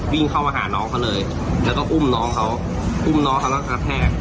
วิ่งเข้ามาหาน้องเขาเลยแล้วก็อุ้มน้องเขาอุ้มน้องเขาแล้วกระแทก